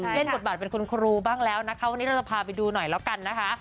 เล่นบทบาทเป็นคุณครูบ้างแล้วนะคะวันนี้เราจะพาไปดูหน่อยแล้วกันนะคะ